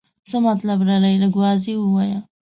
څه مطلب لرې ؟ لږ واضح ووایه.